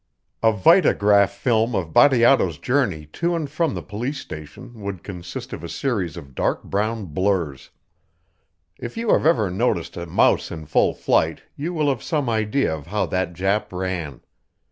A vitagraph film of Bateato's journey to and from the police station would consist of a series of dark brown blurs. If you have ever noticed a mouse in full flight you will have some idea of how that Jap ran.